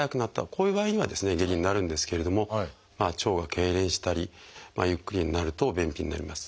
こういう場合には下痢になるんですけれども腸がけいれんしたりゆっくりになると便秘になります。